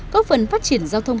các phần phát triển giao thông